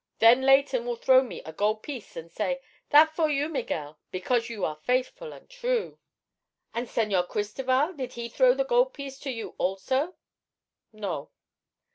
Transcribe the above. Then Leighton will throw me a gold piece an' say: 'That for you, Miguel, because you are faithful an' true.'" "An' Señor Cristoval, did he throw the gold piece to you, also?" "No."